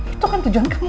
itu kan tujuan kamu